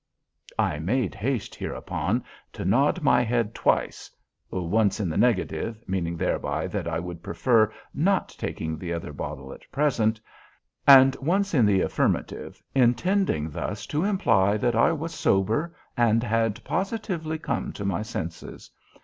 I made haste, hereupon, to nod my head twice—once in the negative, meaning thereby that I would prefer not taking the other bottle at present; and once in the affirmative, intending thus to imply that I was sober and had positively come to my senses.